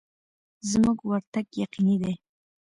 زموږ ورتګ یقیني دی.